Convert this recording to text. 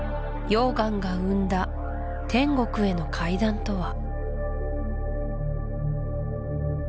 溶岩が生んだ天国への階段とは？